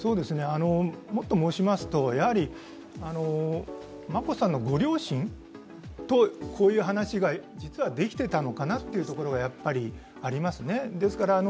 もっと申しますと眞子さんのご両親とこういう話が実はできてたのかなっていうところがありますね。